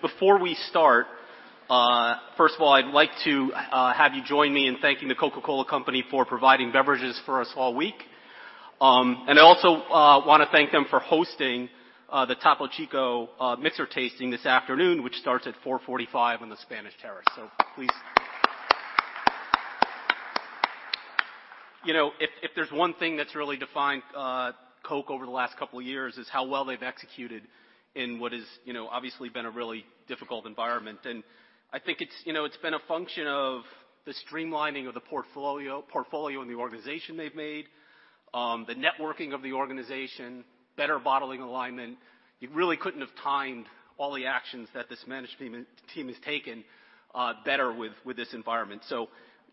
Before we start, first of all, I'd like to have you join me in thanking The Coca-Cola Company for providing beverages for us all week. I also want to thank them for hosting the Topo Chico mixer tasting this afternoon, which starts at 4:45 on the Spanish Terrace. Please. You know, if there's one thing that's really defined Coke over the last couple of years is how well they've executed in what is, you know, obviously been a really difficult environment. I think it's, you know, it's been a function of the streamlining of the portfolio in the organization they've made, the networking of the organization, better bottling alignment. You really couldn't have timed all the actions that this management team has taken better with this environment.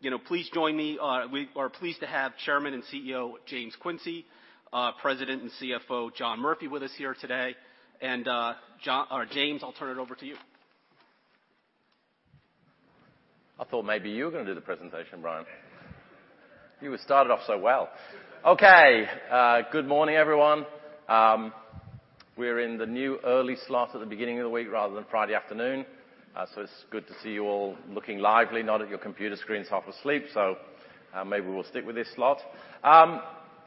You know, please join me. We are pleased to have Chairman and CEO, James Quincey, President and CFO, John Murphy, with us here today. James, I'll turn it over to you. I thought maybe you were gonna do the presentation, Brian. You had started off so well. Okay. Good morning, everyone. We're in the new early slot at the beginning of the week rather than Friday afternoon, so it's good to see you all looking lively, not at your computer screen half asleep. Maybe we'll stick with this slot.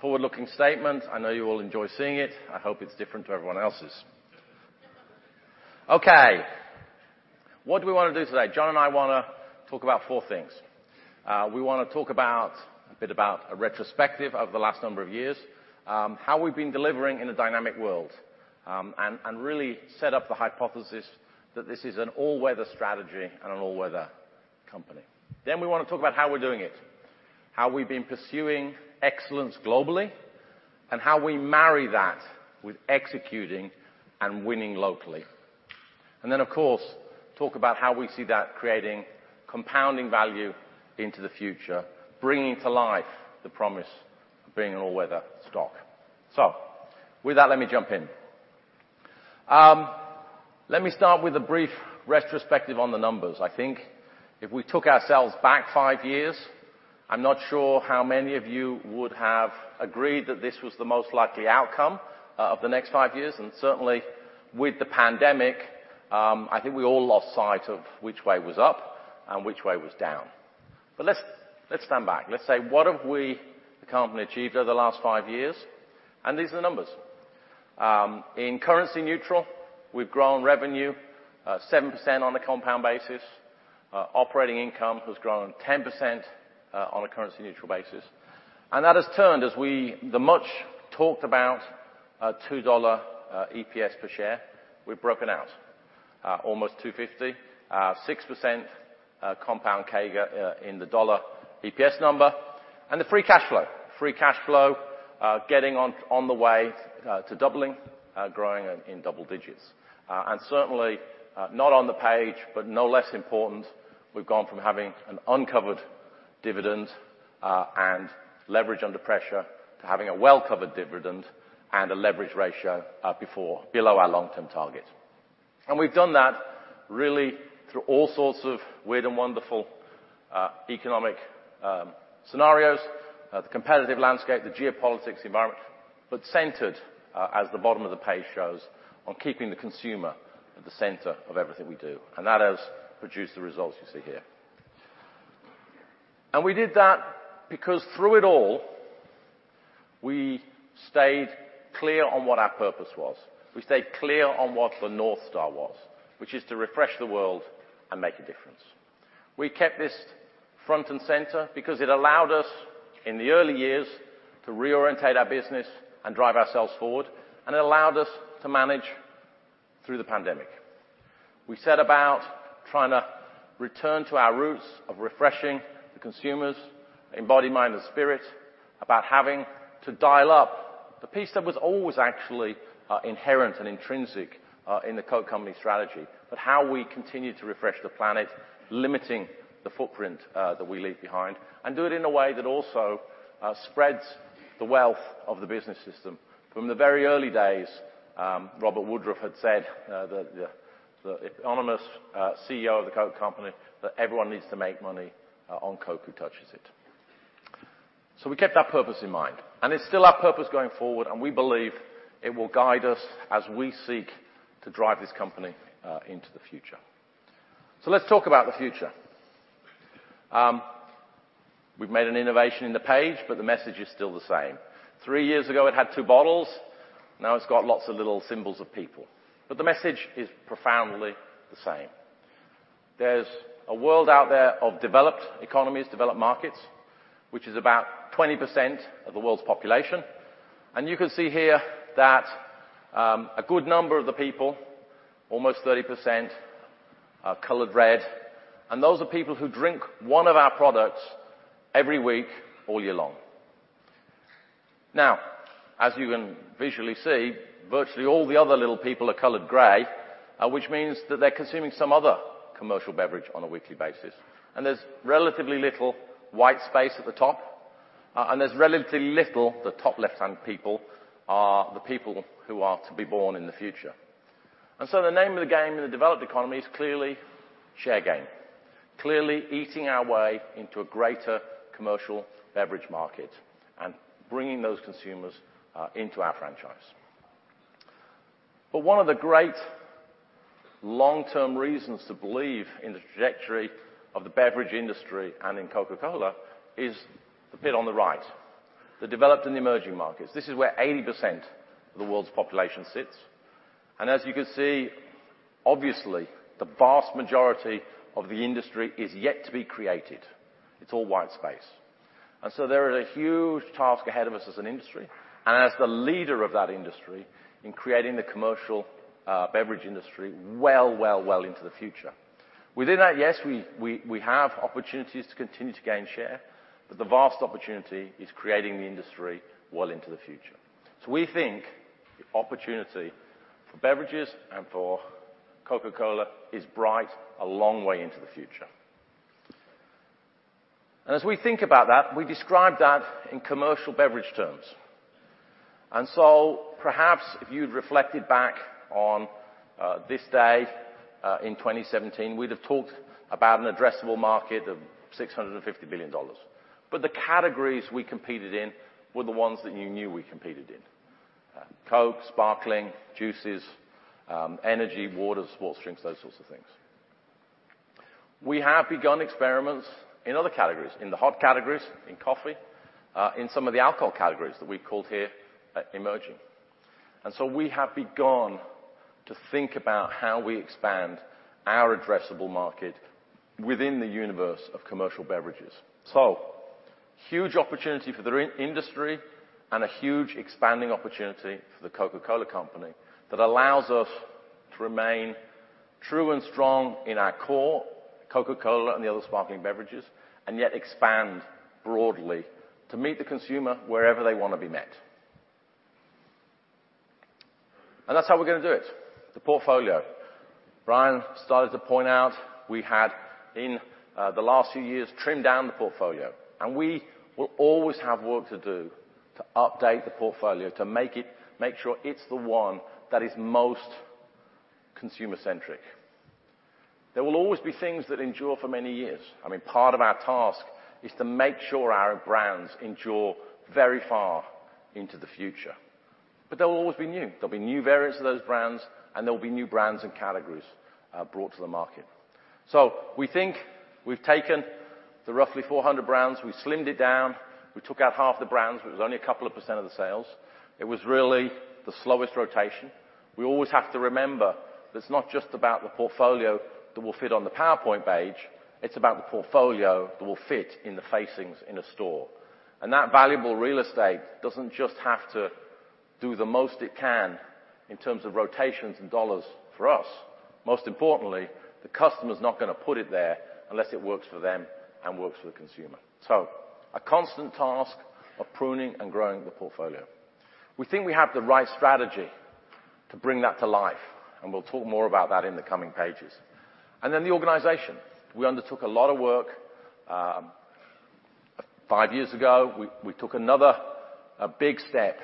Forward-looking statement, I know you all enjoy seeing it. I hope it's different to everyone else's. Okay. What do we wanna do today? John and I wanna talk about four things. We wanna talk about a bit about a retrospective of the last number of years, how we've been delivering in a dynamic world, and really set up the hypothesis that this is an all-weather strategy and an all-weather company. We wanna talk about how we're doing it, how we've been pursuing excellence globally, and how we marry that with executing and winning locally. Of course, talk about how we see that creating compounding value into the future, bringing to life the promise of being an all-weather stock. With that, let me jump in. Let me start with a brief retrospective on the numbers. I think if we took ourselves back five years, I'm not sure how many of you would have agreed that this was the most likely outcome of the next five years. Certainly with the pandemic, I think we all lost sight of which way was up and which way was down. Let's stand back. Let's say, what have we, the company, achieved over the last five years? These are the numbers. In currency neutral, we've grown revenue 7% on a compound basis. Operating income has grown 10% on a currency neutral basis. That has turned as we the much talked about $2 EPS per share, we've broken out almost $2.50, 6% compound CAGR in the dollar EPS number. The free cash flow. Free cash flow getting on the way to doubling, growing in double digits. Certainly, not on the page, but no less important, we've gone from having an uncovered dividend and leverage under pressure to having a well-covered dividend and a leverage ratio before below our long-term target. We've done that really through all sorts of weird and wonderful, economic scenarios, the competitive landscape, the geopolitics environment, but centered, as the bottom of the page shows, on keeping the consumer at the center of everything we do. That has produced the results you see here. We did that because through it all, we stayed clear on what our purpose was. We stayed clear on what the North Star was, which is to refresh the world and make a difference. We kept this front and center because it allowed us, in the early years, to reorientate our business and drive ourselves forward, and it allowed us to manage through the pandemic. We set about trying to return to our roots of refreshing the consumers in body, mind, and spirit about having to dial up the piece that was always actually inherent and intrinsic in The Coca-Cola Company strategy, but how we continue to refresh the planet, limiting the footprint that we leave behind and do it in a way that also spreads the wealth of the business system. From the very early days, Robert Woodruff had said, the eponymous CEO of The Coca-Cola Company, that everyone needs to make money on Coke who touches it. We kept that purpose in mind, and it's still our purpose going forward, and we believe it will guide us as we seek to drive this company into the future. Let's talk about the future. We've made an innovation in the page, but the message is still the same. Three years ago, it had two bottles. Now it's got lots of little symbols of people, but the message is profoundly the same. There's a world out there of developed economies, developed markets, which is about 20% of the world's population. You can see here that a good number of the people, almost 30%, are colored red, and those are people who drink one of our products every week, all year long. Now, as you can visually see, virtually all the other little people are colored gray, which means that they're consuming some other commercial beverage on a weekly basis. There's relatively little white space at the top, and there's relatively little, the top left-hand people, are the people who are to be born in the future. The name of the game in the developed economy is clearly share game. Clearly eating our way into a greater commercial beverage market and bringing those consumers, into our franchise. One of the great long-term reasons to believe in the trajectory of the beverage industry and in Coca-Cola is the bit on the right, the developed and emerging markets. This is where 80% of the world's population sits. As you can see, obviously, the vast majority of the industry is yet to be created. It's all white space. There is a huge task ahead of us as an industry and as the leader of that industry in creating the commercial beverage industry well, well, well into the future. Within that, yes, we have opportunities to continue to gain share, the vast opportunity is creating the industry well into the future. We think the opportunity for beverages and for Coca-Cola is bright a long way into the future. As we think about that, we describe that in commercial beverage terms. Perhaps if you'd reflected back on this day in 2017, we'd have talked about an addressable market of $650 billion. The categories we competed in were the ones that you knew we competed in. Coke, sparkling, juices, energy, water, sports drinks, those sorts of things. We have begun experiments in other categories, in the hot categories, in coffee, in some of the alcohol categories that we called here emerging. We have begun to think about how we expand our addressable market within the universe of commercial beverages. Huge opportunity for the in-industry and a huge expanding opportunity for The Coca-Cola Company that allows us to remain true and strong in our core, Coca-Cola and the other sparkling beverages, and yet expand broadly to meet the consumer wherever they wanna be met. That's how we're gonna do it, the portfolio. Brian started to point out we had, in the last few years, trimmed down the portfolio, and we will always have work to do to update the portfolio to make sure it's the one that is most consumer-centric. There will always be things that endure for many years. I mean, part of our task is to make sure our brands endure very far into the future. There will always be new. There'll be new variants of those brands, and there'll be new brands and categories brought to the market. We think we've taken the roughly 400 brands, we slimmed it down, we took out half the brands, but it was only a couple of percent of the sales. It was really the slowest rotation. We always have to remember that it's not just about the portfolio that will fit on the PowerPoint page, it's about the portfolio that will fit in the facings in a store. That valuable real estate doesn't just have to do the most it can in terms of rotations and dollars for us. Most importantly, the customer's not gonna put it there unless it works for them and works for the consumer. A constant task of pruning and growing the portfolio. We think we have the right strategy to bring that to life. We'll talk more about that in the coming pages. The organization. We undertook a lot of work 5 years ago. We took another, a big step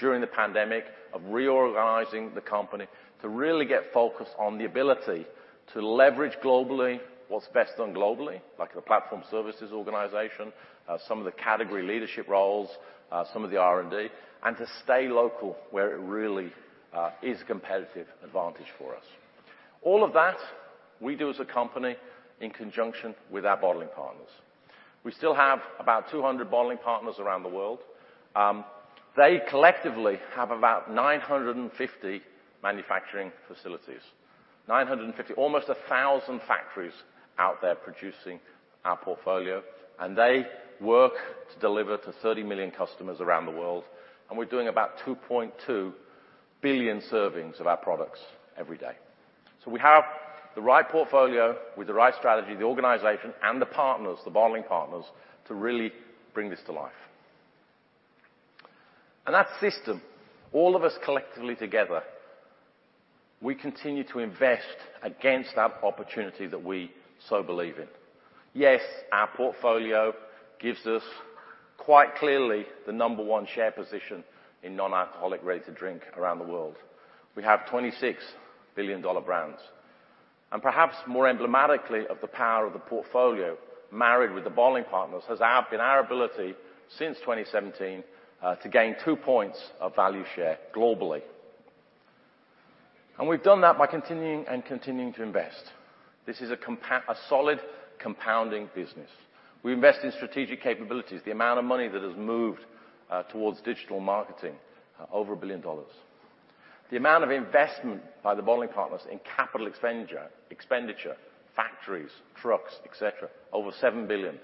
during the pandemic of reorganizing the company to really get focused on the ability to leverage globally what's best done globally, like the Platform Services organization, some of the category leadership roles, some of the R&D, and to stay local where it really is competitive advantage for us. All of that we do as a company in conjunction with our bottling partners. We still have about 200 bottling partners around the world. They collectively have about 950 manufacturing facilities. 950, almost 1,000 factories out there producing our portfolio, and they work to deliver to 30 million customers around the world, and we're doing about 2.2 billion servings of our products every day. We have the right portfolio with the right strategy, the organization, and the partners, the bottling partners, to really bring this to life. That system, all of us collectively together, we continue to invest against that opportunity that we so believe in. Yes, our portfolio gives us quite clearly the number one share position in non-alcoholic ready-to-drink around the world. We have 26 billion-dollar brands. Perhaps more emblematically of the power of the portfolio, married with the bottling partners, been our ability since 2017 to gain 2 points of value share globally. We've done that by continuing to invest. This is a solid compounding business. We invest in strategic capabilities. The amount of money that has moved towards digital marketing, over $1 billion. The amount of investment by the bottling partners in capital expenditure, factories, trucks, et cetera, over $7 billion.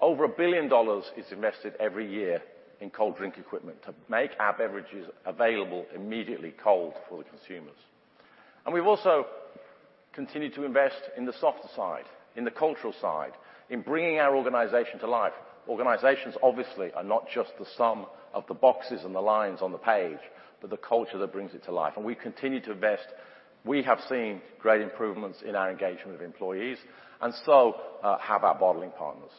Over $1 billion is invested every year in cold drink equipment to make our beverages available immediately cold for the consumers. We've also continued to invest in the softer side, in the cultural side, in bringing our organization to life. Organizations, obviously, are not just the sum of the boxes and the lines on the page, but the culture that brings it to life. We continue to invest. We have seen great improvements in our engagement of employees, and so have our bottling partners.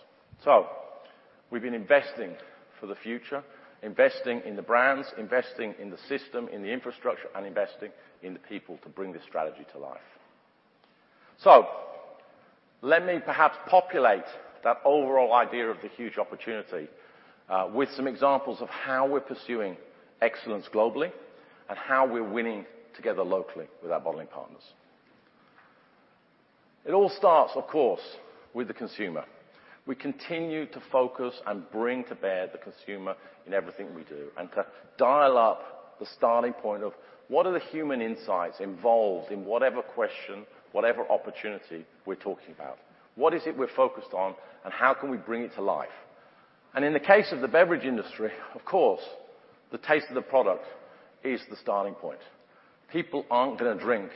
We've been investing for the future, investing in the brands, investing in the system, in the infrastructure, and investing in the people to bring this strategy to life. Let me perhaps populate that overall idea of the huge opportunity, with some examples of how we're pursuing excellence globally and how we're winning together locally with our bottling partners. It all starts, of course, with the consumer. We continue to focus and bring to bear the consumer in everything we do, and to dial up the starting point of what are the human insights involved in whatever question, whatever opportunity we're talking about. What is it we're focused on, and how can we bring it to life? In the case of the beverage industry, of course, the taste of the product is the starting point. People aren't gonna drink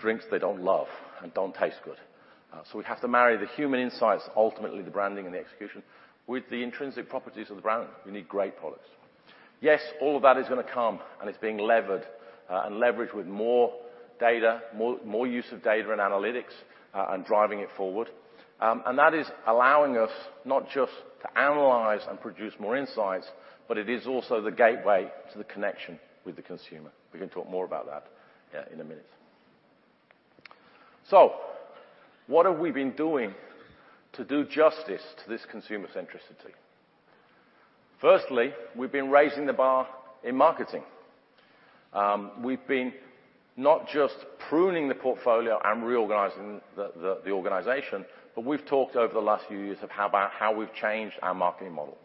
drinks they don't love and don't taste good. We have to marry the human insights, ultimately the branding and the execution, with the intrinsic properties of the brand. We need great products. Yes, all of that is gonna come, and it's being levered, and leveraged with more data, more use of data and analytics, and driving it forward. And that is allowing us not just to analyze and produce more insights, but it is also the gateway to the connection with the consumer. We can talk more about that, in a minute. What have we been doing to do justice to this consumer centricity? Firstly, we've been raising the bar in marketing. We've been not just pruning the portfolio and reorganizing the organization, but we've talked over the last few years of how we've changed our marketing model.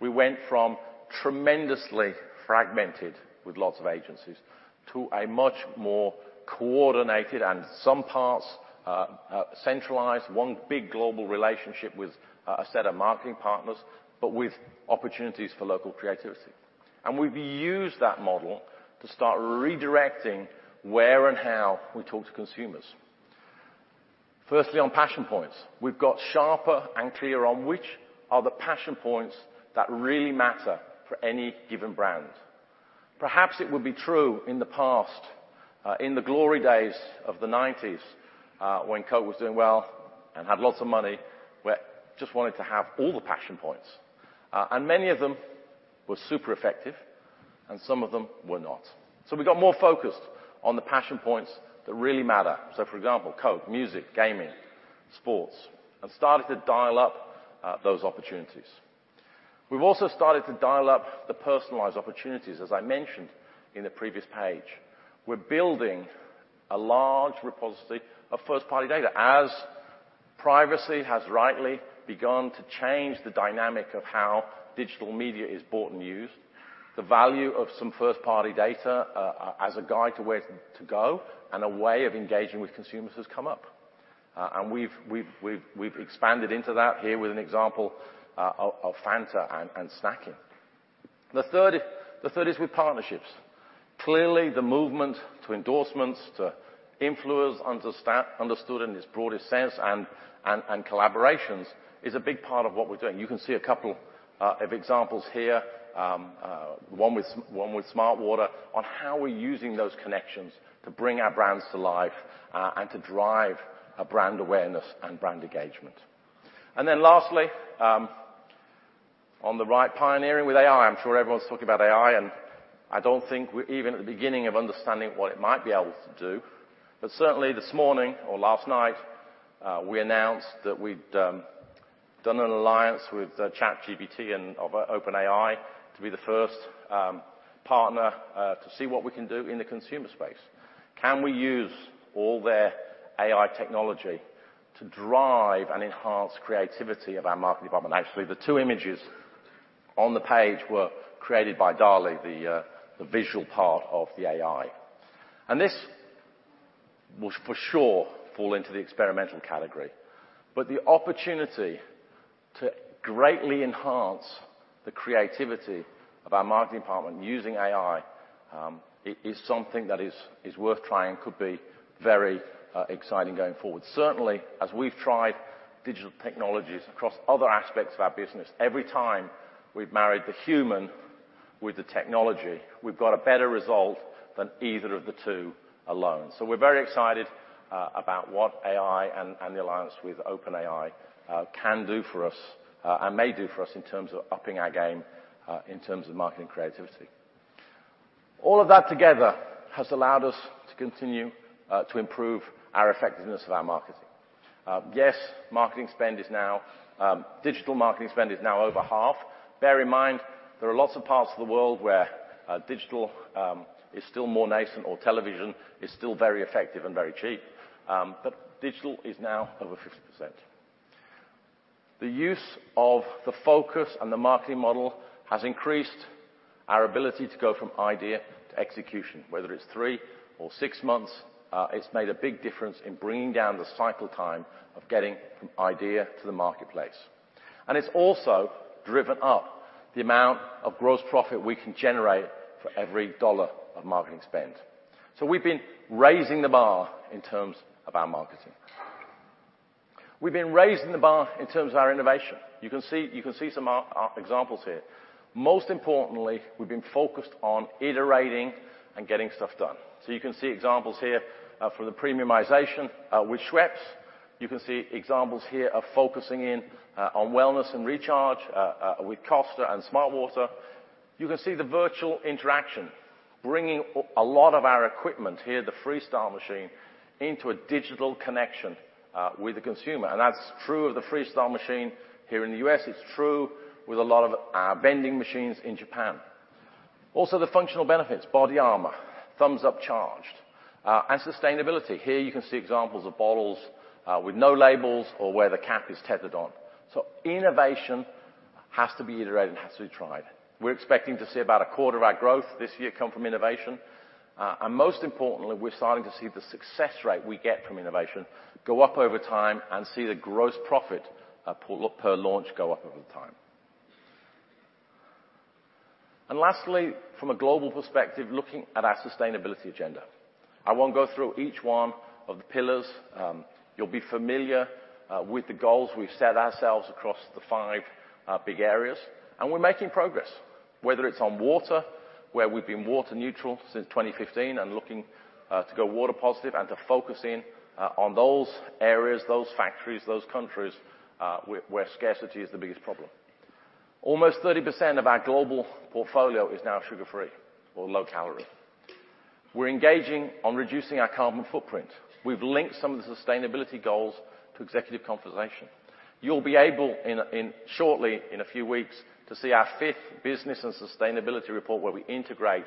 We went from tremendously fragmented with lots of agencies to a much more coordinated and some parts, centralized, one big global relationship with a set of marketing partners, but with opportunities for local creativity. We've used that model to start redirecting where and how we talk to consumers. Firstly, on passion points. We've got sharper and clearer on which are the passion points that really matter for any given brand. Perhaps it would be true in the past, in the glory days of the 90s, when Coke was doing well and had lots of money, we just wanted to have all the passion points. Many of them were super effective and some of them were not. We got more focused on the passion points that really matter, for example, Coke, music, gaming, sports, and started to dial up those opportunities. We've also started to dial up the personalized opportunities, as I mentioned in the previous page. We're building a large repository of First-party data. As privacy has rightly begun to change the dynamic of how digital media is bought and used, the value of some First-party data as a guide to where to go and a way of engaging with consumers has come up. We've expanded into that here with an example of Fanta and snacking. The third is with partnerships. Clearly, the movement to endorsements, to influencers, understood in its broadest sense and collaborations is a big part of what we're doing. You can see a couple of examples here, one with smartwater, on how we're using those connections to bring our brands to life, and to drive brand awareness and brand engagement. Lastly, on the right, pioneering with AI. I'm sure everyone's talking about AI, and I don't think we're even at the beginning of understanding what it might be able to do. Certainly this morning or last night, we announced that we'd done an alliance with ChatGPT and of OpenAI to be the first partner to see what we can do in the consumer space. Can we use all their AI technology to drive and enhance creativity of our marketing department? Actually, the two images on the page were created by DALL-E, the visual part of the AI. This will for sure fall into the experimental category. The opportunity to greatly enhance the creativity of our marketing department using AI is something that is worth trying, could be very exciting going forward. Certainly, as we've tried digital technologies across other aspects of our business, every time we've married the human with the technology, we've got a better result than either of the two alone. We're very excited about what AI and the alliance with OpenAI can do for us and may do for us in terms of upping our game in terms of marketing creativity. All of that together has allowed us to continue to improve our effectiveness of our marketing. Yes, marketing spend is now digital marketing spend is now over half. Bear in mind, there are lots of parts of the world where digital is still more nascent or television is still very effective and very cheap. Digital is now over 50%. The use of the focus and the marketing model has increased our ability to go from idea to execution, whether it's 3 or 6 months, it's made a big difference in bringing down the cycle time of getting from idea to the marketplace. It's also driven up the amount of gross profit we can generate for every dollar of marketing spend. We've been raising the bar in terms of our marketing. We've been raising the bar in terms of our innovation. You can see some examples here. Most importantly, we've been focused on iterating and getting stuff done. You can see examples here for the premiumization with Schweppes. You can see examples here of focusing in on wellness and recharge with Costa and smartwater. You can see the virtual interaction, bringing a lot of our equipment here, the Freestyle machine, into a digital connection with the consumer. That's true of the Freestyle machine here in the U.S. It's true with a lot of our vending machines in Japan. Also, the functional benefits, BODYARMOR, Thums Up Charged, and sustainability. Here you can see examples of bottles with no labels or where the cap is tethered on. Innovation has to be iterated and has to be tried. We're expecting to see about a quarter of our growth this year come from innovation. Most importantly, we're starting to see the success rate we get from innovation go up over time and see the gross profit pull up per launch go up over time. Lastly, from a global perspective, looking at our sustainability agenda. I won't go through each one of the pillars. You'll be familiar with the goals we've set ourselves across the five big areas, and we're making progress. Whether it's on water, where we've been water neutral since 2015 and looking to go water positive and to focus in on those areas, those factories, those countries where scarcity is the biggest problem. Almost 30% of our global portfolio is now sugar-free or low calorie. We're engaging on reducing our carbon footprint. We've linked some of the sustainability goals to executive compensation. You'll be able in... shortly in a few weeks to see our fifth Business and Sustainability Report, where we integrate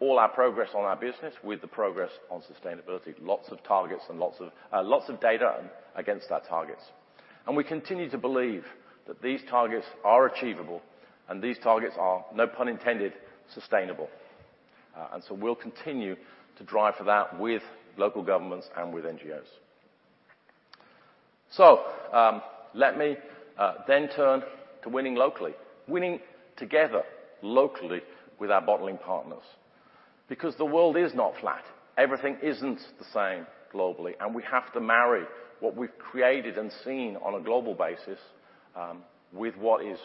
all our progress on our business with the progress on sustainability, lots of targets and lots of data against our targets. We continue to believe that these targets are achievable and these targets are, no pun intended, sustainable. We'll continue to drive for that with local governments and with NGOs. Let me turn to winning locally. Winning together locally with our bottling partners. Because the world is not flat. Everything isn't the same globally, and we have to marry what we've created and seen on a global basis with what is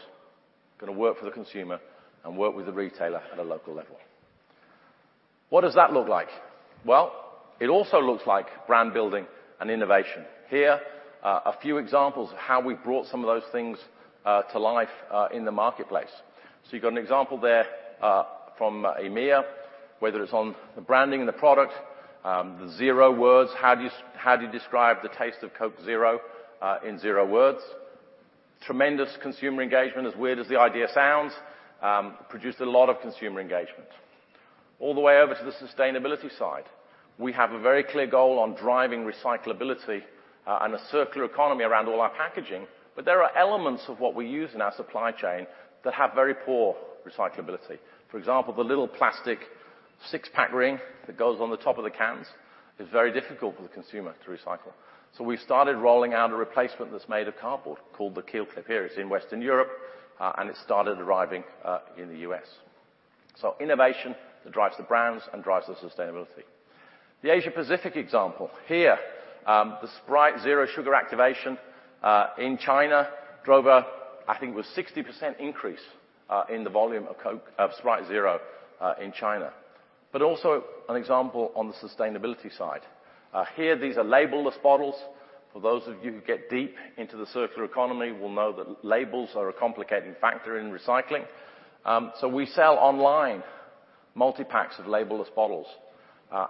gonna work for the consumer and work with the retailer at a local level. What does that look like? Well, it also looks like brand building and innovation. Here are a few examples of how we've brought some of those things to life in the marketplace. You've got an example there from EMEA, whether it's on the branding and the product, the zero words, how do you describe the taste of Coke Zero in zero words. Tremendous consumer engagement, as weird as the idea sounds, produced a lot of consumer engagement. All the way over to the sustainability side, we have a very clear goal on driving recyclability and a circular economy around all our packaging, but there are elements of what we use in our supply chain that have very poor recyclability. For example, the little plastic six-pack ring that goes on the top of the cans is very difficult for the consumer to recycle. We started rolling out a replacement that's made of cardboard, called the KeelClip. Here it's in Western Europe. It started arriving in the U.S. Innovation that drives the brands and drives the sustainability. The Asia Pacific example. Here, the Sprite Zero Sugar activation in China drove a, I think it was 60% increase in the volume of Sprite Zero in China. Also an example on the sustainability side. Here these are label-less bottles. For those of you who get deep into the circular economy will know that labels are a complicating factor in recycling. We sell online multi-packs of label-less bottles,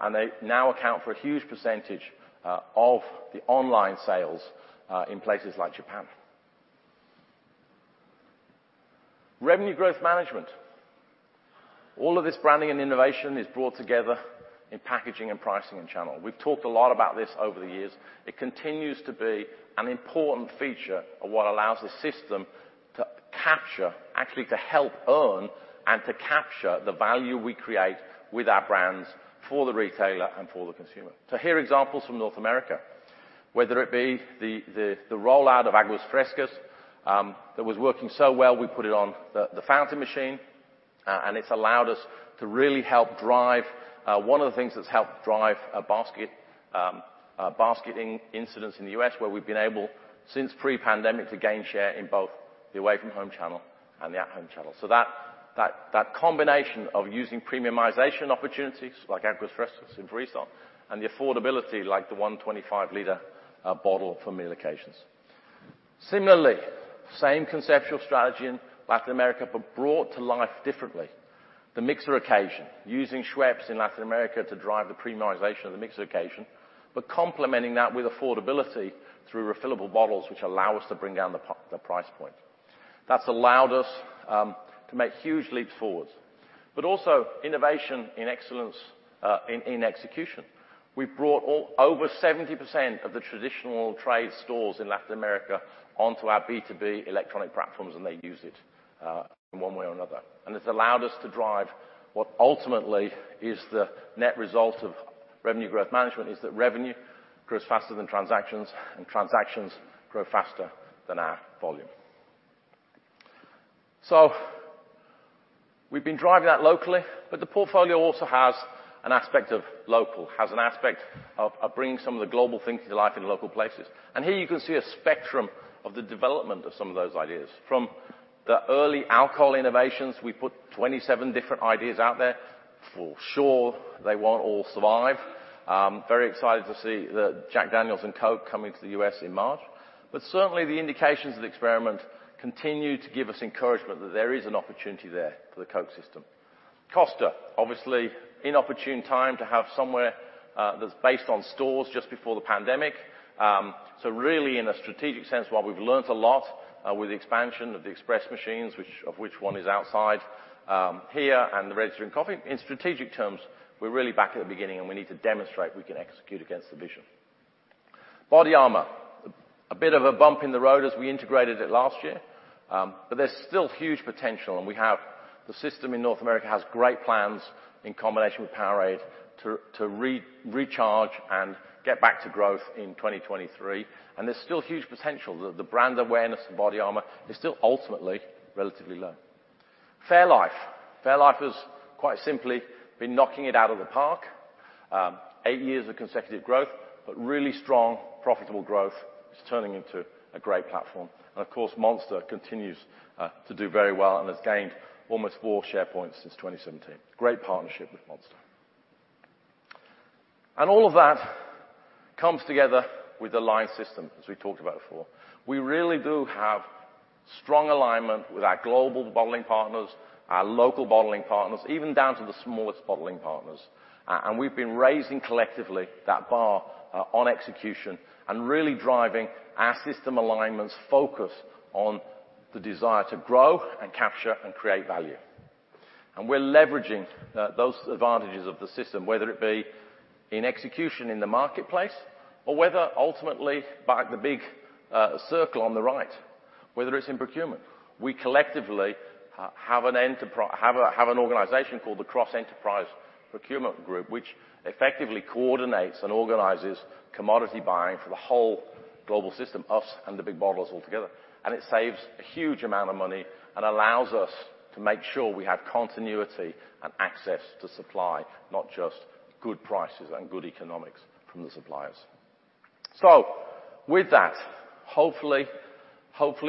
and they now account for a huge percentage of the online sales in places like Japan. Revenue growth management. All of this branding and innovation is brought together in packaging and pricing and channel. We've talked a lot about this over the years. It continues to be an important feature of what allows the system to capture, actually to help earn and to capture the value we create with our brands for the retailer and for the consumer. Here are examples from North America, whether it be the rollout of Aguas Frescas, that was working so well, we put it on the fountain machine, and it's allowed us to really help drive one of the things that's helped drive a basket, a basketing incidence in the U.S. where we've been able, since pre-pandemic, to gain share in both the away-from-home channel and the at-home channel. That combination of using premiumization opportunities like Aguas Frescas and fresca, and the affordability like the 1.25 liter bottle for meal occasions. Similarly, same conceptual strategy in Latin America, but brought to life differently. The mixer occasion, using Schweppes in Latin America to drive the premiumization of the mixer occasion, but complementing that with affordability through refillable bottles which allow us to bring down the price point. That's allowed us to make huge leaps forward. Also innovation in excellence in execution. We've brought all over 70% of the traditional trade stores in Latin America onto our B2B electronic platforms, and they use it in one way or another. It's allowed us to drive what ultimately is the net result of Revenue growth management, is that revenue grows faster than transactions, and transactions grow faster than our volume. We've been driving that locally, but the portfolio also has an aspect of local, has an aspect of bringing some of the global things to life in local places. Here you can see a spectrum of the development of some of those ideas. From the early alcohol innovations, we put 27 different ideas out there. For sure, they won't all survive. Very excited to see the Jack Daniel's and Coke coming to the US in March. Certainly, the indications of the experiment continue to give us encouragement that there is an opportunity there for the Coke system. Costa, obviously, inopportune time to have somewhere that's based on stores just before the pandemic. Really in a strategic sense, while we've learned a lot with the expansion of the Express machines, which of which one is outside here, and the register and coffee. In strategic terms, we're really back at the beginning, and we need to demonstrate we can execute against the vision. BODYARMOR, a bit of a bump in the road as we integrated it last year. There's still huge potential, and the system in North America has great plans in combination with Powerade to recharge and get back to growth in 2023. There's still huge potential. The brand awareness of BODYARMOR is still ultimately relatively low. fairlife. fairlife has quite simply been knocking it out of the park. 8 years of consecutive growth, but really strong profitable growth. It's turning into a great platform. Of course, Monster continues to do very well and has gained almost 4 share points since 2017. Great partnership with Monster. All of that comes together with the line system, as we talked about before. We really do have strong alignment with our global bottling partners, our local bottling partners, even down to the smallest bottling partners. We've been raising collectively that bar on execution and really driving our system alignments focus on the desire to grow and capture and create value. We're leveraging those advantages of the system, whether it be in execution in the marketplace or whether ultimately by the big circle on the right, whether it's in procurement. We collectively have an organization called the Cross-Enterprise Procurement Group, which effectively coordinates and organizes commodity buying for the whole global system, us and the big bottlers all together. It saves a huge amount of money and allows us to make sure we have continuity and access to supply, not just good prices and good economics from the suppliers. With that, hopefully,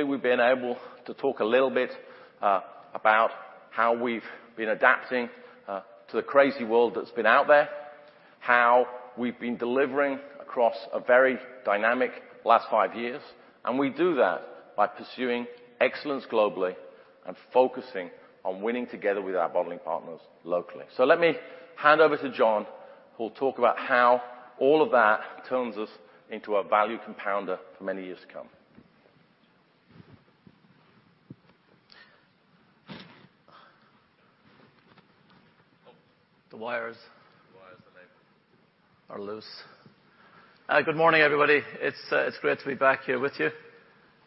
we've been able to talk a little bit about how we've been adapting to the crazy world that's been out there, how we've been delivering across a very dynamic last five years, and we do that by pursuing excellence globally and focusing on winning together with our bottling partners locally. Let me hand over to John, who'll talk about how all of that turns us into a value compounder for many years to come. The wires. The wires are live. Are loose. good morning, everybody. It's great to be back here with you.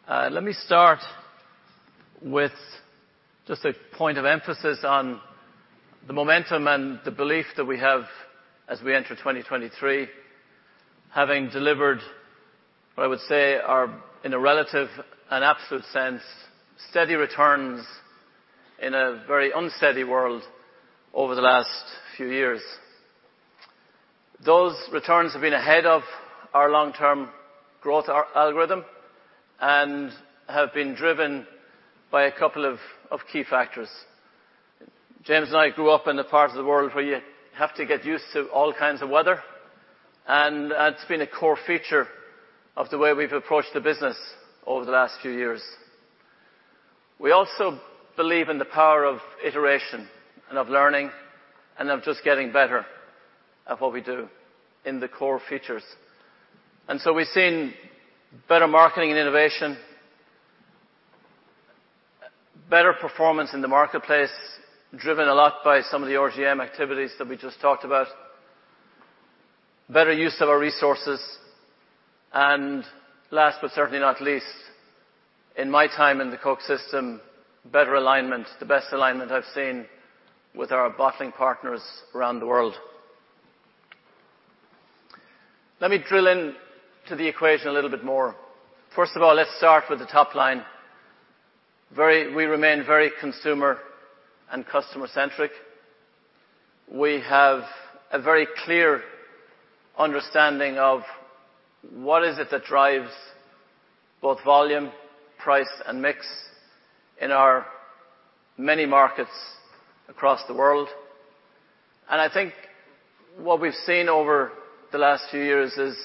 let me start with just a point of emphasis on the momentum and the belief that we have as we enter 2023, having delivered what I would say are, in a relative and absolute sense, steady returns in a very unsteady world over the last few years. Those returns have been ahead of our long-term growth, our algorithm, and have been driven by a couple of key factors. James and I grew up in the parts of the world where you have to get used to all kinds of weather, and it's been a core feature of the way we've approached the business over the last few years. We also believe in the power of iteration and of learning and of just getting better at what we do in the core features. We've seen better marketing and innovation, better performance in the marketplace, driven a lot by some of the RGM activities that we just talked about, better use of our resources, and last but certainly not least, in my time in the Coke system, better alignment, the best alignment I've seen with our bottling partners around the world. Let me drill into the equation a little bit more. First of all, let's start with the top line. We remain very consumer and customer-centric. We have a very clear understanding of what is it that drives both volume, price, and mix in our many markets across the world. I think what we've seen over the last few years is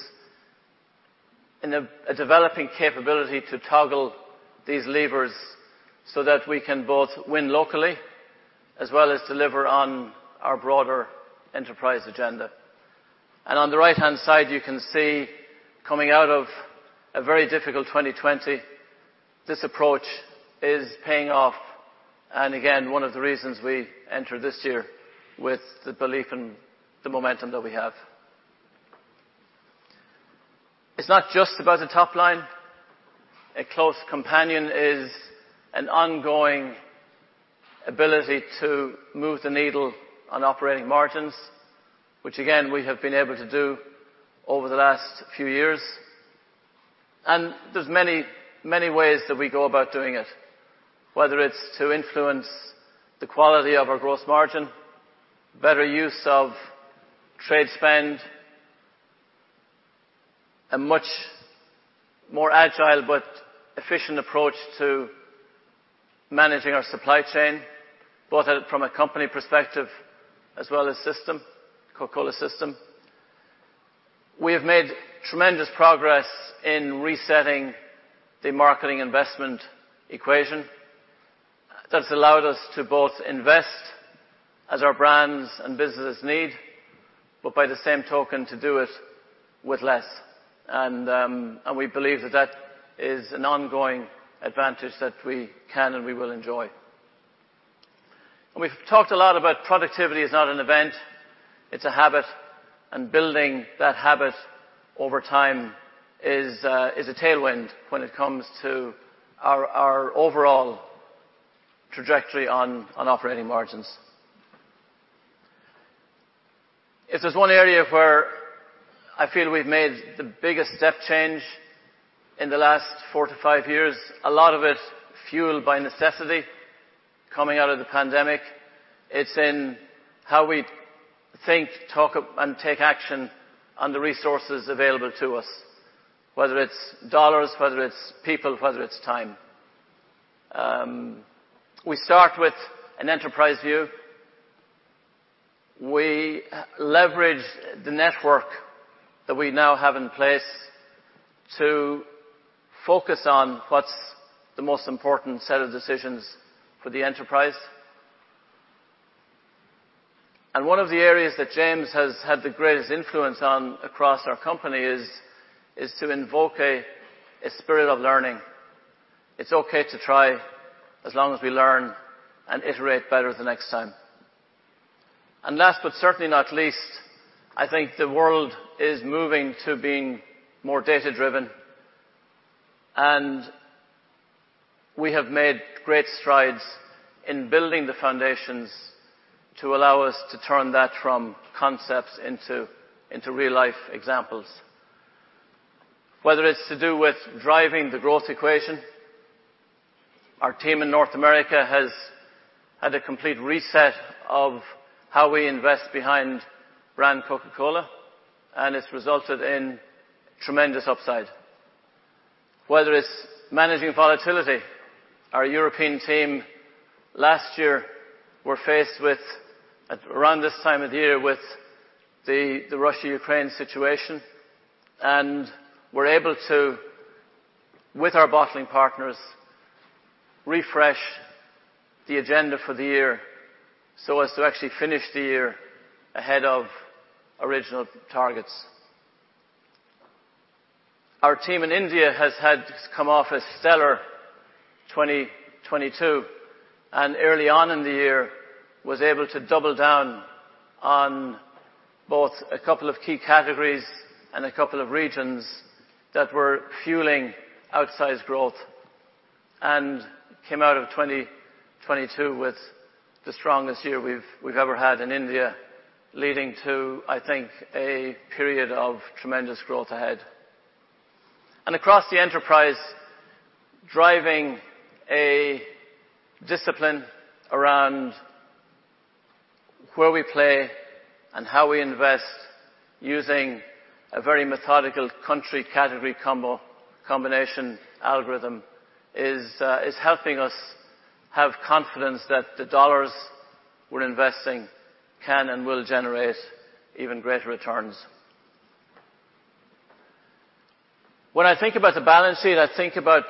in a developing capability to toggle these levers so that we can both win locally as well as deliver on our broader enterprise agenda. On the right-hand side, you can see coming out of a very difficult 2020, this approach is paying off. Again, one of the reasons we enter this year with the belief in the momentum that we have. It's not just about the top line. A close companion is an ongoing ability to move the needle on operating margins, which again, we have been able to do over the last few years. There's many, many ways that we go about doing it, whether it's to influence the quality of our gross margin, better use of trade spend. A much more agile but efficient approach to managing our supply chain, both from a company perspective as well as system, Coca-Cola system. We have made tremendous progress in resetting the marketing investment equation. That's allowed us to both invest as our brands and businesses need, but by the same token, to do it with less. We believe that that is an ongoing advantage that we can and we will enjoy. We've talked a lot about productivity is not an event, it's a habit, and building that habit over time is a tailwind when it comes to our overall trajectory on operating margins. If there's one area where I feel we've made the biggest step change in the last 4-5 years, a lot of it fueled by necessity coming out of the pandemic, it's in how we think, talk, and take action on the resources available to us, whether it's dollars, whether it's people, whether it's time. We start with an enterprise view. We leverage the network that we now have in place to focus on what's the most important set of decisions for the enterprise. One of the areas that James has had the greatest influence on across our company is to invoke a spirit of learning. It's okay to try as long as we learn and iterate better the next time. Last, but certainly not least, I think the world is moving to being more data-driven. We have made great strides in building the foundations to allow us to turn that from concepts into real-life examples. Whether it's to do with driving the growth equation, our team in North America has had a complete reset of how we invest behind brand Coca-Cola. It's resulted in tremendous upside. Whether it's managing volatility, our European team last year were faced with, at around this time of year, with the Russia-Ukraine situation. Were able to, with our bottling partners, refresh the agenda for the year so as to actually finish the year ahead of original targets. Our team in India come off a stellar 2022, and early on in the year was able to double down on both a couple of key categories and a couple of regions that were fueling outsized growth and came out of 2022 with the strongest year we've ever had in India, leading to, I think, a period of tremendous growth ahead. Across the enterprise, driving a discipline around where we play and how we invest using a very methodical country category combination algorithm is helping us have confidence that the dollars we're investing can and will generate even greater returns. When I think about the balance sheet, I think about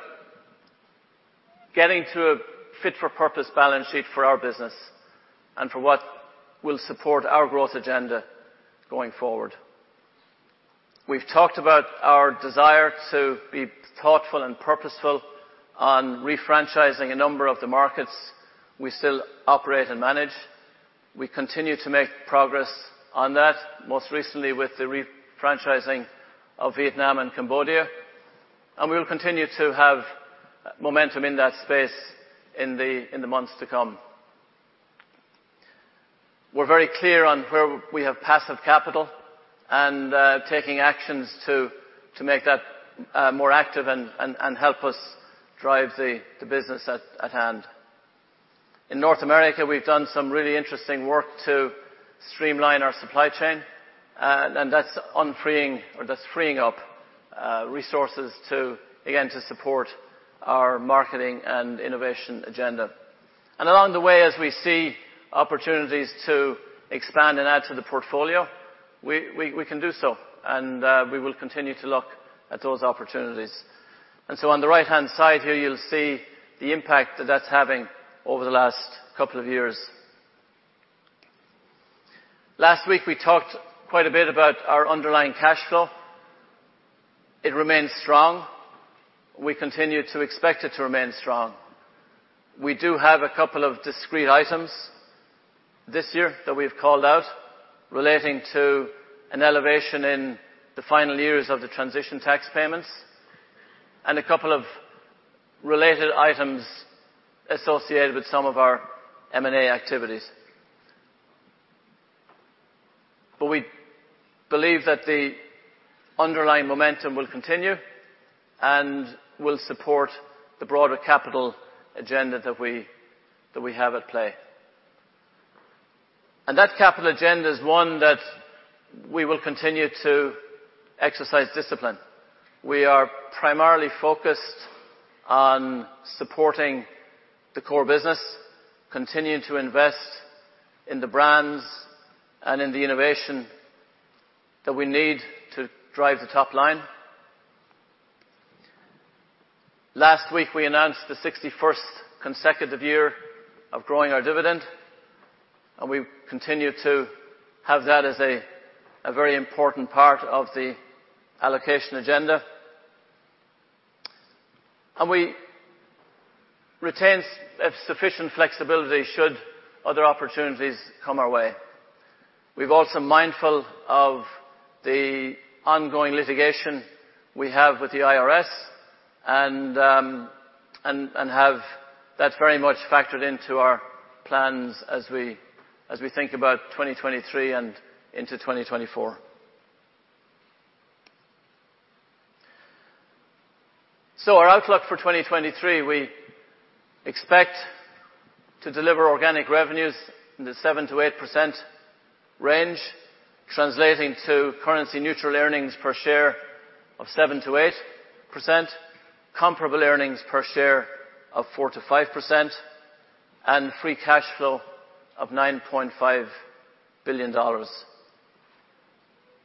getting to a fit-for-purpose balance sheet for our business and for what will support our growth agenda going forward. We've talked about our desire to be thoughtful and purposeful on refranchising a number of the markets we still operate and manage. We continue to make progress on that, most recently with the refranchising of Vietnam and Cambodia. We will continue to have momentum in that space in the months to come. We're very clear on where we have passive capital and taking actions to make that more active and help us drive the business at hand. In North America, we've done some really interesting work to streamline our supply chain, and that's unfreeing or that's freeing up resources to, again, to support our marketing and innovation agenda. Along the way, as we see opportunities to expand and add to the portfolio, we can do so, and we will continue to look at those opportunities. On the right-hand side here, you'll see the impact that that's having over the last couple of years. Last week, we talked quite a bit about our underlying cash flow. It remains strong. We continue to expect it to remain strong. We do have a couple of discrete items this year that we've called out relating to an elevation in the final years of the Transition tax payments and a couple of related items associated with some of our M&A activities. We believe that the underlying momentum will continue and will support the broader capital agenda that we have at play. That capital agenda is one that we will continue to exercise discipline. We are primarily focused on supporting the core business, continuing to invest in the brands and in the innovation that we need to drive the top line. Last week, we announced the 61st consecutive year of growing our dividend, and we continue to have that as a very important part of the allocation agenda. We retain sufficient flexibility should other opportunities come our way. We're also mindful of the ongoing litigation we have with the IRS and have that very much factored into our plans as we think about 2023 and into 2024. Our outlook for 2023, we expect to deliver organic revenues in the 7%-8% range, translating to currency neutral earnings per share of 7%-8%, comparable earnings per share of 4%-5%, and free cash flow of $9.5 billion.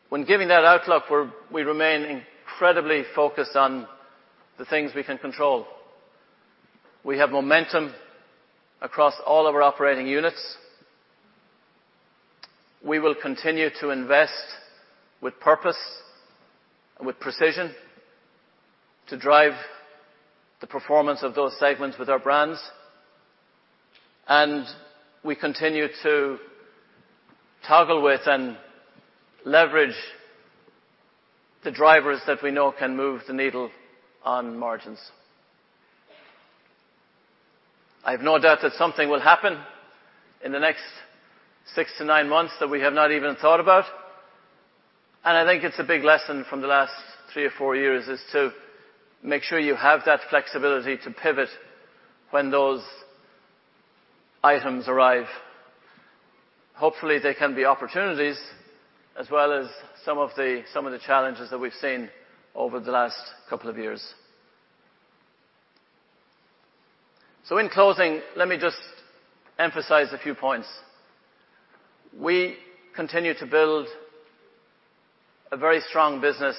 When giving that outlook, we remain incredibly focused on the things we can control. We have momentum across all of our operating units. We will continue to invest with purpose and with precision to drive the performance of those segments with our brands. We continue to toggle with and leverage the drivers that we know can move the needle on margins. I have no doubt that something will happen in the next six to nine months that we have not even thought about. I think it's a big lesson from the last 3 or 4 years, is to make sure you have that flexibility to pivot when those items arrive. Hopefully, they can be opportunities as well as some of the challenges that we've seen over the last couple of years. In closing, let me just emphasize a few points. We continue to build a very strong business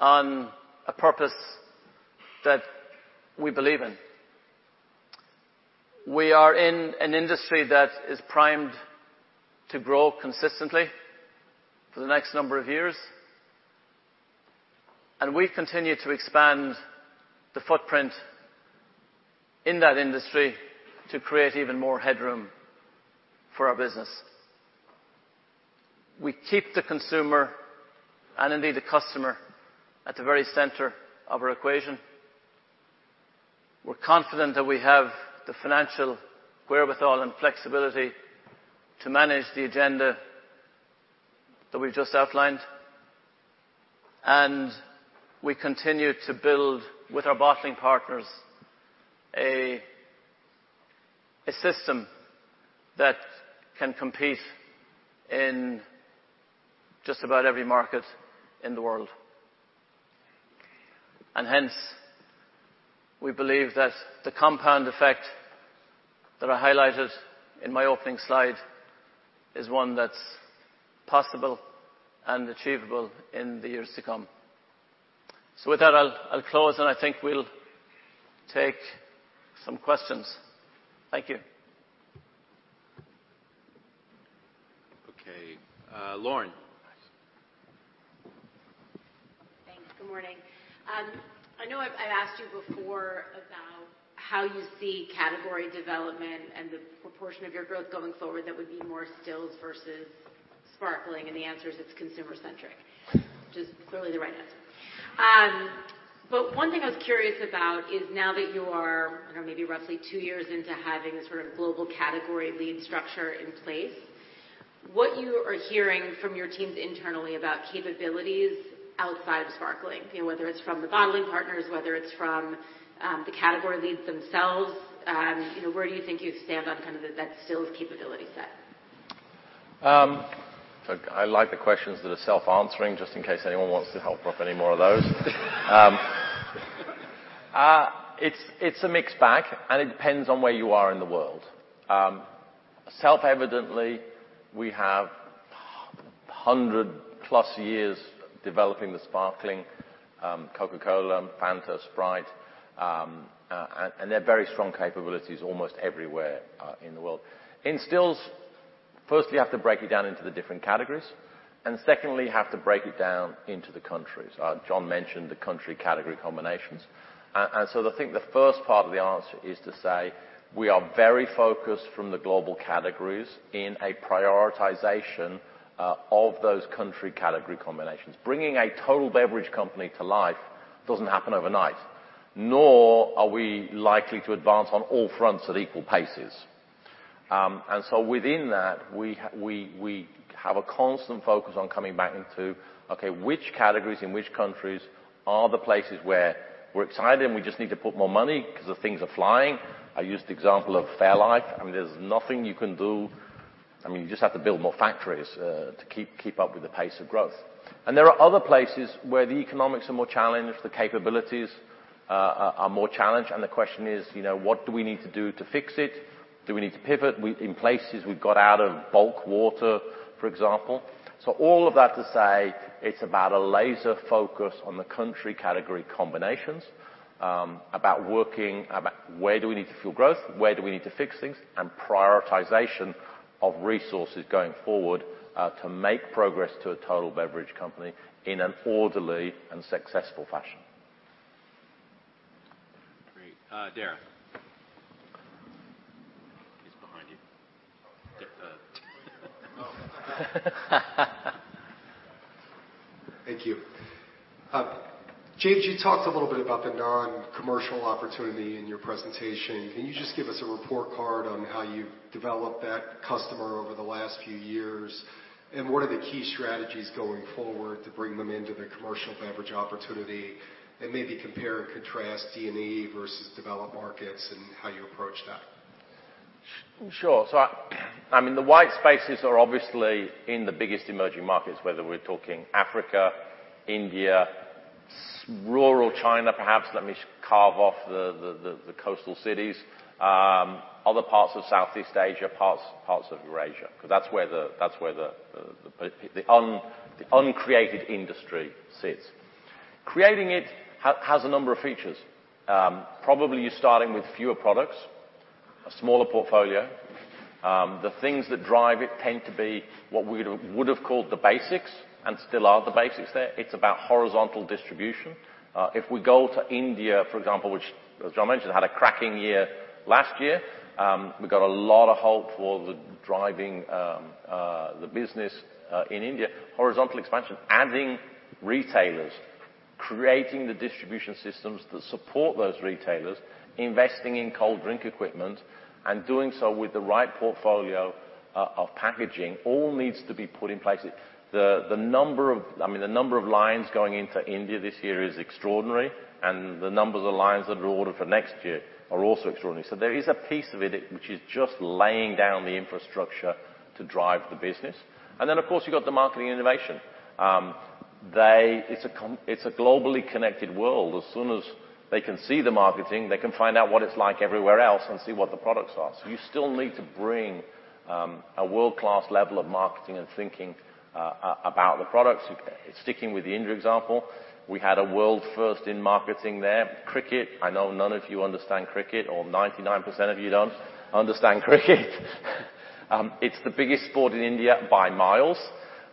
on a purpose that we believe in. We are in an industry that is primed to grow consistently for the next number of years, and we continue to expand the footprint in that industry to create even more headroom for our business. We keep the consumer, and indeed the customer, at the very center of our equation. We're confident that we have the financial wherewithal and flexibility to manage the agenda that we've just outlined. We continue to build with our bottling partners a system that can compete in just about every market in the world. Hence, we believe that the compound effect that I highlighted in my opening slide is one that's possible and achievable in the years to come. With that, I'll close, and I think we'll take some questions. Thank you. Okay. Lauren. Thanks. Good morning. I know I've asked you before about how you see category development and the proportion of your growth going forward that would be more stills versus sparkling, the answer is it's consumer centric, which is clearly the right answer. One thing I was curious about is now that you are, I don't know, maybe roughly 2 years into having the sort of global category lead structure in place, what you are hearing from your teams internally about capabilities outside of sparkling, you know, whether it's from the bottling partners, whether it's from, the category leads themselves, you know, where do you think you stand on kind of that stills capability set? I like the questions that are self-answering, just in case anyone wants to help drop any more of those. It's, it's a mixed bag, and it depends on where you are in the world. Self-evidently, we have 100+ years developing the sparkling, Coca-Cola, Fanta, Sprite, and they're very strong capabilities almost everywhere in the world. In stills, firstly, you have to break it down into the different categories, and secondly, you have to break it down into the countries. John mentioned the country category combinations. I think the first part of the answer is to say we are very focused from the global categories in a prioritization of those country category combinations. Bringing a total beverage company to life doesn't happen overnight, nor are we likely to advance on all fronts at equal paces. Within that, we have a constant focus on coming back into, okay, which categories in which countries are the places where we're excited and we just need to put more money because the things are flying? I used the example of fairlife. I mean, there's nothing you can do I mean, you just have to build more factories, to keep up with the pace of growth. There are other places where the economics are more challenged, the capabilities are more challenged. The question is, you know, what do we need to do to fix it? Do we need to pivot? In places we've got out of bulk water, for example. All of that to say, it's about a laser focus on the country category combinations, about where do we need to fuel growth, where do we need to fix things, and prioritization of resources going forward, to make progress to a total beverage company in an orderly and successful fashion. Great. Dara. He's behind you. Thank you. James, you talked a little bit about the non-commercial opportunity in your presentation. Can you just give us a report card on how you've developed that customer over the last few years? What are the key strategies going forward to bring them into the commercial beverage opportunity? Maybe compare and contrast D&E versus developed markets and how you approach that. I mean the white spaces are obviously in the biggest emerging markets, whether we're talking Africa, India, rural China, perhaps. Let me carve off the coastal cities, other parts of Southeast Asia, parts of Eurasia, because that's where the uncreated industry sits. Creating it has a number of features. Probably you're starting with fewer products, a smaller portfolio. The things that drive it tend to be what we would've called the basics, and still are the basics there. It's about horizontal distribution. If we go to India, for example, which as John mentioned, had a cracking year last year, we've got a lot of hope for the driving the business in India. Horizontal expansion, adding retailers, creating the distribution systems that support those retailers, investing in cold drink equipment and doing so with the right portfolio of packaging all needs to be put in place. I mean, the number of lines going into India this year is extraordinary, and the numbers of lines that are ordered for next year are also extraordinary. There is a piece of it which is just laying down the infrastructure to drive the business. Of course, you've got the marketing innovation. It's a globally connected world. As soon as they can see the marketing, they can find out what it's like everywhere else and see what the products are. You still need to bring a world-class level of marketing and thinking about the products. Sticking with the India example, we had a world first in marketing there. Cricket, I know none of you understand cricket, or 99% of you don't understand cricket. It's the biggest sport in India by miles.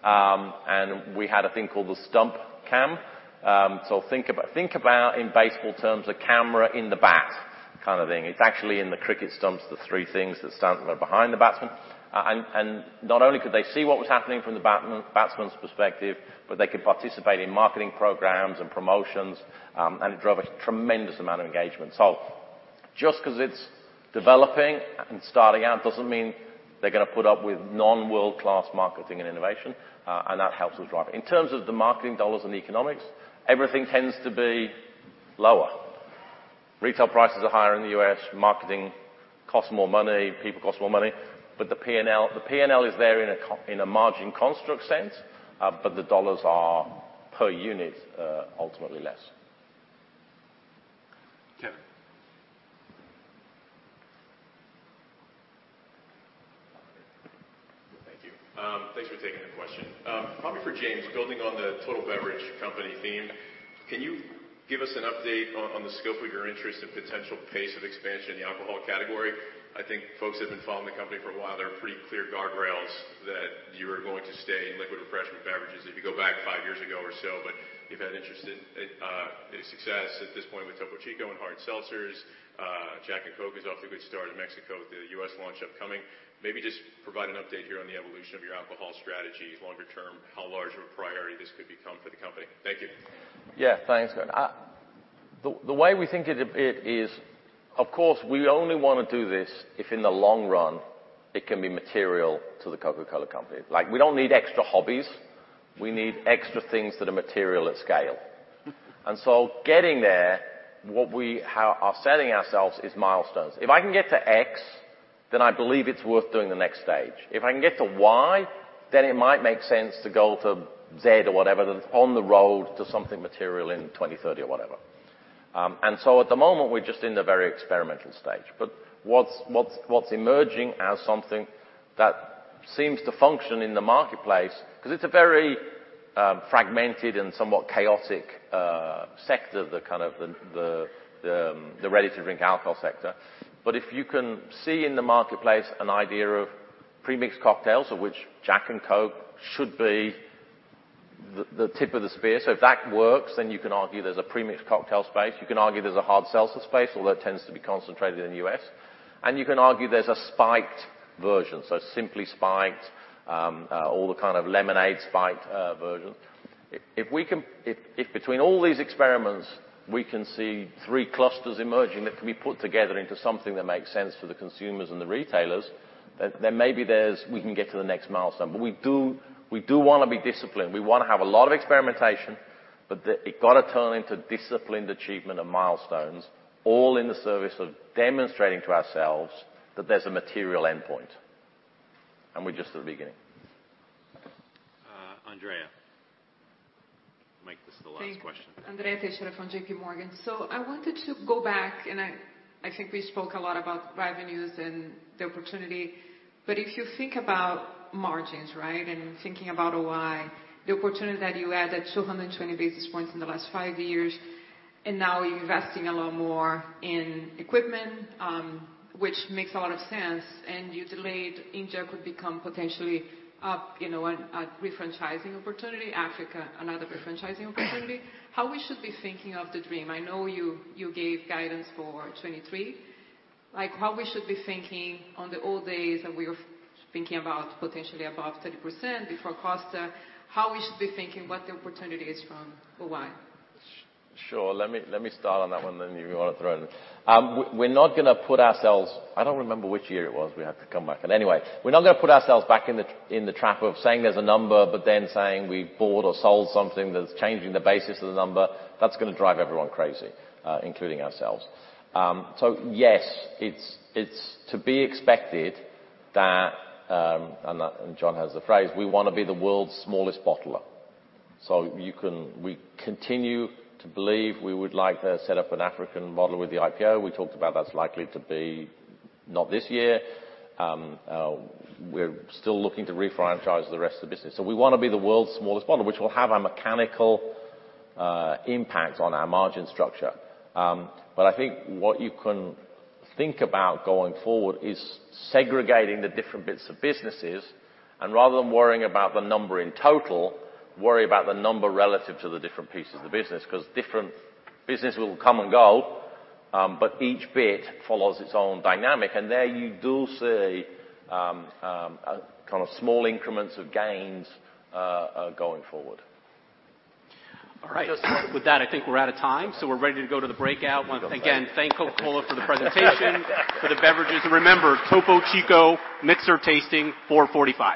And we had a thing called the Stump Cam. Think about in baseball terms, a camera in the bat kind of thing. It's actually in the cricket stumps, the three things that stand behind the batsman. And not only could they see what was happening from the batsman's perspective, but they could participate in marketing programs and promotions. And it drove a tremendous amount of engagement. Just 'cause it's developing and starting out doesn't mean they're gonna put up with non-world-class marketing and innovation, and that helps with driving. In terms of the marketing dollars and economics, everything tends to be lower. Retail prices are higher in the U.S., marketing costs more money, people cost more money. The P&L is there in a margin construct sense, but the dollars are per unit ultimately less. Kevin. Thank you. Thanks for taking the question. Probably for James. Building on the total beverage company theme, can you give us an update on the scope of your interest and potential pace of expansion in the alcohol category? I think folks have been following the company for a while. There are pretty clear guardrails that you are going to stay in liquid refreshment beverages if you go back five years ago or so. You've had interest in success at this point with Topo Chico and hard seltzers. Jack and Coke is off to a good start in Mexico with the U.S. launch upcoming. Maybe just provide an update here on the evolution of your alcohol strategy longer term, how large of a priority this could become for the company. Thank you. Yeah, thanks. The way we think it is, of course, we only wanna do this if in the long run it can be material to The Coca-Cola Company. Like, we don't need extra hobbies. We need extra things that are material at scale. Getting there, what we are setting ourselves is milestones. If I can get to X, then I believe it's worth doing the next stage. If I can get to Y, then it might make sense to go for Z or whatever on the road to something material in 2030 or whatever. At the moment, we're just in the very experimental stage. What's emerging as something that seems to function in the marketplace, 'cause it's a very fragmented and somewhat chaotic sector, the kind of the ready-to-drink alcohol sector. If you can see in the marketplace an idea of pre-mixed cocktails, of which Jack and Coke should be the tip of the spear. If that works, then you can argue there's a pre-mixed cocktail space. You can argue there's a hard seltzer space, although it tends to be concentrated in the U.S. You can argue there's a spiked version. Simply Spiked, all the kind of lemonade spiked version. If between all these experiments, we can see three clusters emerging that can be put together into something that makes sense for the consumers and the retailers, then maybe we can get to the next milestone. We do wanna be disciplined. We wanna have a lot of experimentation. It got to turn into disciplined achievement of milestones, all in the service of demonstrating to ourselves that there's a material endpoint, and we're just at the beginning. Andrea. Make this the last question. Thank you. Andrea Teixeira from JPMorgan. I wanted to go back, and I think we spoke a lot about revenues and the opportunity. If you think about margins, right? And thinking about OI, the opportunity that you had at 220 basis points in the last 5 years, and now investing a lot more in equipment, which makes a lot of sense, and you delayed India could become potentially a refranchising opportunity, Africa, another refranchising opportunity. How we should be thinking of the dream? I know you gave guidance for 2023. Like, how we should be thinking on the old days that we were thinking about potentially above 30% before Costa, how we should be thinking what the opportunity is from OI? Sure. Let me start on that one, then you want to throw it in. We're not gonna put ourselves... I don't remember which year it was. We have to come back. Anyway, we're not gonna put ourselves back in the trap of saying there's a number, but then saying we bought or sold something that's changing the basis of the number. That's gonna drive everyone crazy, including ourselves. Yes, it's to be expected that, and John has the phrase, we wanna be the world's smallest bottler. We continue to believe we would like to set up an African model with the IPO. We talked about that's likely to be not this year. We're still looking to refranchise the rest of the business. We wanna be the world's smallest bottler, which will have a mechanical impact on our margin structure. I think what you can think about going forward is segregating the different bits of businesses, and rather than worrying about the number in total, worry about the number relative to the different pieces of the business, 'cause different business will come and go, but each bit follows its own dynamic. There you do see kind of small increments of gains going forward. All right. With that, I think we're out of time, so we're ready to go to the breakout. Once again, thank Coca-Cola for the presentation for the beverages. Remember, Topo Chico mixer tasting 4:45 P.M.